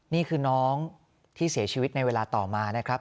นี่คือน้องที่เสียชีวิตในเวลาต่อมานะครับ